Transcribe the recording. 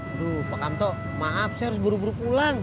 aduh pak kanto maaf saya harus buru buru pulang